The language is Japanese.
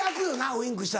ウインクしたら。